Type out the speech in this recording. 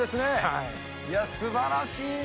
いやぁ、すばらしいな。